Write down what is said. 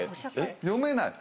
読めない？